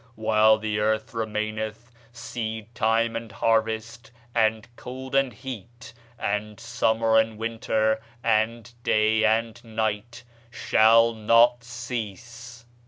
While the earth remaineth, seedtime and harvest, and cold and heat, and summer and winter, and day and night shall not cease."